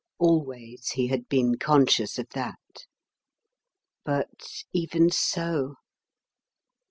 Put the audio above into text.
Always he had been conscious of that; but even so